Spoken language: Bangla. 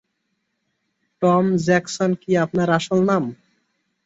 টম জ্যাকসন কি আপনার আসল নাম?